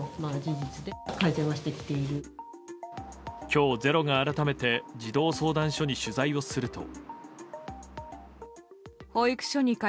今日「ｚｅｒｏ」が改めて児童相談所に取材をすると。